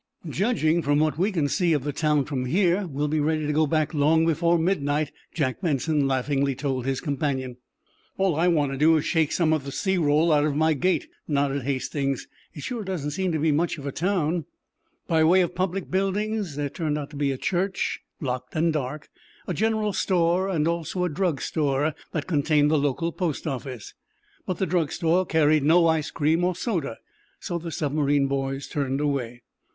"Judging from what we can see of the town from here, we'll be ready to go back long before midnight," Jack Benson laughingly told his companion. "All I want is to shake some of the sea roll out of my gait," nodded Hastings. "It surely doesn't seem to be much of a town." By way of public buildings there turned out to be a church, locked and dark, a general store and also a drug store that contained the local post office. But the drug store carried no ice cream or soda, so the submarine boys turned away.